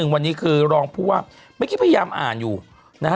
วันนี้คือรองผู้ว่าเมื่อกี้พยายามอ่านอยู่นะฮะ